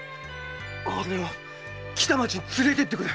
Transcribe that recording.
おれを北町に連れてってくれ！